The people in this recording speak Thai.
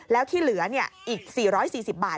แล้วที่เหลืออีก๔๔๐บาท